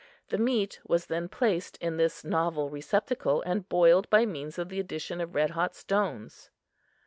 The meat was then placed in this novel receptacle and boiled by means of the addition of red hot stones.